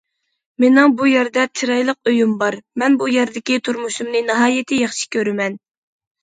مىنىڭ بۇ يەردە چىرايلىق ئۆيۈم بار، مەن بۇ يەردىكى تۇرمۇشۇمنى ناھايىتى ياخشى كۆرىمەن.